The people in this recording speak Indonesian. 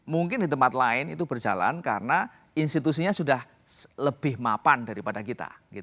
mungkin di tempat lain itu berjalan karena institusinya sudah lebih mapan daripada kita